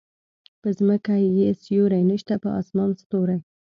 په ځمکه يې سیوری نشته په اسمان ستوری